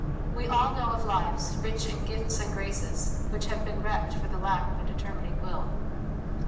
We all know of lives, rich in gifts and graces, which have been wrecked for the lack of a determining will.